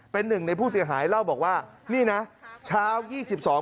เป็นหนึ่งในผู้เสียหายเล่าบอกว่านี่นะเช้ายี่สิบสอง